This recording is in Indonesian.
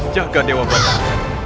jaga dewa bapak